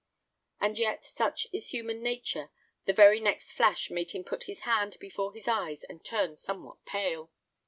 And yet such is human nature, the very next flash made him put his hands before his eyes and turn somewhat pale.